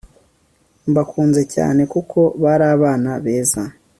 mbakunze cyane kuko barabana beza